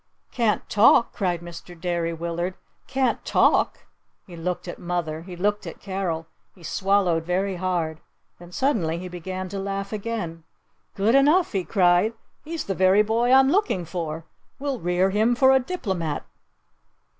"Can't talk?" cried Mr. Derry Willard. "Can't talk?" He looked at mother! He looked at Carol! He swallowed very hard! Then suddenly he began to laugh again! "Good enough!" he cried. "He's the very boy I'm looking for! We'll rear him for a diplomat!"